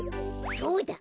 そうだ！